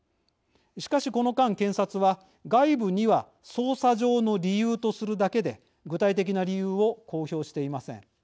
しかしこの間検察は外部には捜査上の理由とするだけで具体的な理由を公表していません。